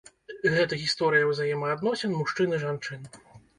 Гэта гісторыя ўзаемаадносін мужчын і жанчын.